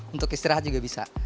untuk istirahat juga bisa